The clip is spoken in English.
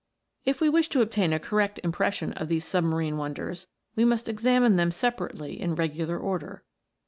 If we wish to obtain a correct impression of these submarine wonders, we must examine them sepa rately in regular order.